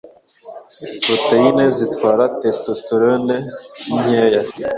proteine zitwara testosterone ninkeya